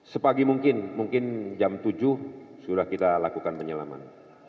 sepagi mungkin mungkin jam tujuh sudah kita lakukan penyelaman